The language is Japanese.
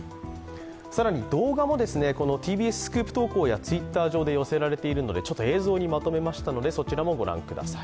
更に動画もＴＢＳスクープ投稿やＴｗｉｔｔｅｒ上で寄せられているので映像にまとめました。